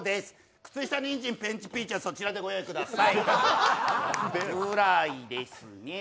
靴下にんじん、ペンチピーチはそちらでご用意ください。